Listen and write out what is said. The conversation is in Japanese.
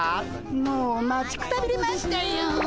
もう待ちくたびれましたよ。